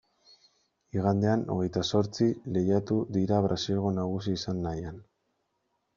Igandean, hogeita zortzi, lehiatu dira Brasilgo nagusi izan nahian.